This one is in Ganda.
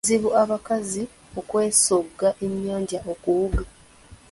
Kizibu abakazi okwesogga ennyanja okuwuga.